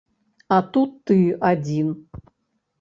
А тут ты адзін.